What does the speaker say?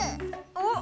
あっ！